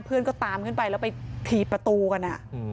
เพื่อนก็ตามขึ้นไปแล้วไปถีบประตูกัน